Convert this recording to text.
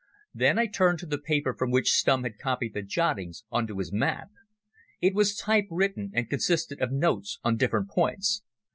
Then I turned to the paper from which Stumm had copied the jottings on to his map. It was typewritten, and consisted of notes on different points.